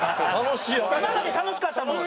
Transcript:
今まで楽しかったのに！